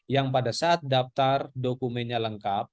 yang pada saat daftar dokumennya lengkap